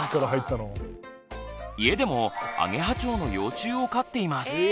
家でもアゲハチョウの幼虫を飼っています。